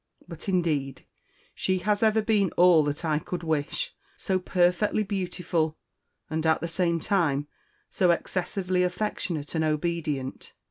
But indeed she has ever been all that I could wish so perfectly beautiful, and, at the same time, so excessively affectionate and obedient.